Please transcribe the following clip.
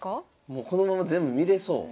もうこのまま全部見れそう。